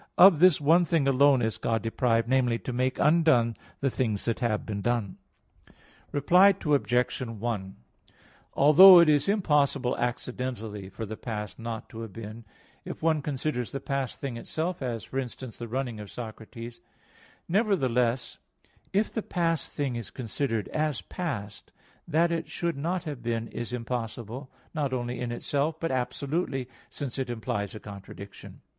vi, 2): "Of this one thing alone is God deprived namely, to make undone the things that have been done." Reply Obj. 1: Although it is impossible accidentally for the past not to have been, if one considers the past thing itself, as, for instance, the running of Socrates; nevertheless, if the past thing is considered as past, that it should not have been is impossible, not only in itself, but absolutely since it implies a contradiction.